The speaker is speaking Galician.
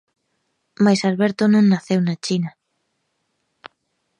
Mais Alberto non naceu na China.